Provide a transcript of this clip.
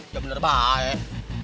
ya bener baik